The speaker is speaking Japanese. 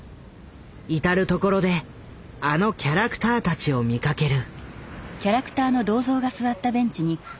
至る所であのキャラクターたちを見かける。